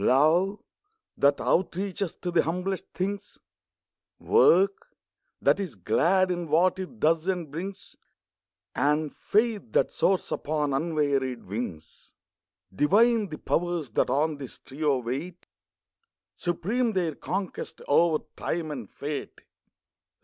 Love, that outreaches to the humblest things; Work that is glad, in what it does and brings; And faith that soars upon unwearied wings. Divine the Powers that on this trio wait. Supreme their conquest, over Time and Fate.